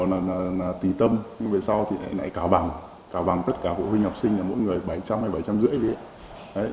nhưng mà sau thì lại cảo bằng cảo bằng tất cả phụ huynh học sinh là mỗi người bảy trăm linh hay bảy trăm năm mươi